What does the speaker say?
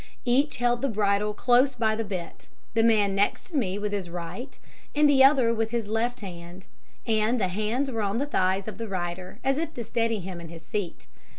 Each held the bridle close by the bit, the man next me with his right and the other with his left hand, and the hands were on the thighs of the rider, as if to steady him in his seat.